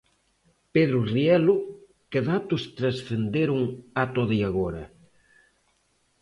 Pedro Rielo, que datos transcenderon ata o de agora?